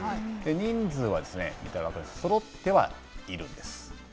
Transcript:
人数はそろってはいるんです。